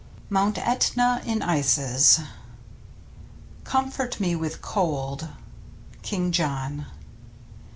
MT. ETNA IN ICES Comfort me with cold. — King John.